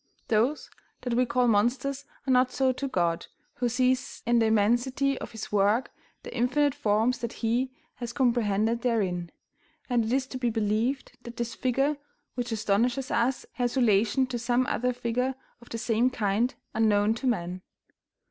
Those that we call monsters are not so to God, who sees in the immensity of His work the infinite forms that He has comprehended therein; and it is to be believed that this figure which astonishes us has relation to some other figure of the same kind unknown to man.